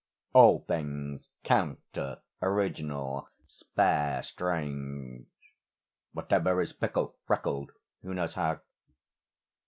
All things counter, original, spare, strange; Whatever is fickle, freckled (who knows how?)